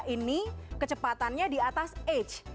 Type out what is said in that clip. ini kecepatannya di atas h